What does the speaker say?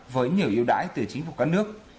với nhiều yêu đái từ chính phủ các nước